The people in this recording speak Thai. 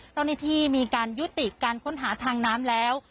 เจ้าหน้าที่มีการยุติการค้นหาทางน้ำแล้ว